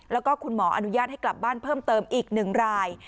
แล้วก็คุณหมออนุญาตให้กลับบ้านเพิ่มเติมอีก๑ราย